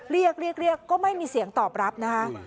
เรียกเรียกก็ไม่มีเสียงตอบรับนะคะ